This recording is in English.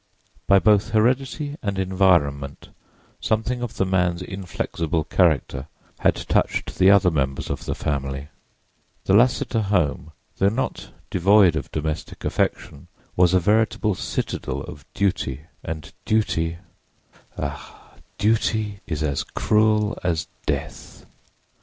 By both heredity and environment something of the man's inflexible character had touched the other members of the family; the Lassiter home, though not devoid of domestic affection, was a veritable citadel of duty, and duty—ah, duty is as cruel as death!